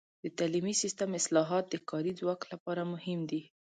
د تعلیمي سیستم اصلاحات د کاري ځواک لپاره مهم دي.